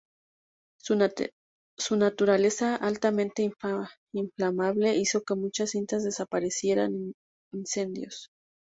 Su naturaleza altamente inflamable hizo que muchas cintas desaparecieran en incendios.